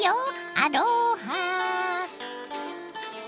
アロハ。